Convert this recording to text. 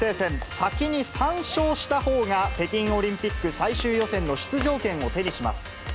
先に３勝したほうが北京オリンピック最終予選の出場権を手にします。